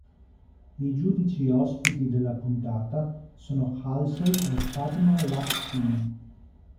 I giudici ospiti della puntata sono Halsey e Padma Lakshmi.